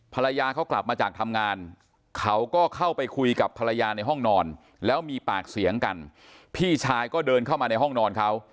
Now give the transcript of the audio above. ภรรยาเขากลับมาจากทำงานเขาก็เข้าไปคุยกับภรรยาในห้องนอน